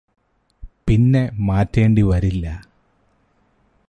പിന്നെ മാറ്റേണ്ടിവരില്ല